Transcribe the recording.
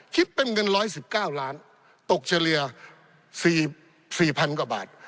คิดเป็นเงิน๑๑๙ล้านตกเฉลี่ย๔๐๐๐กว่าบาท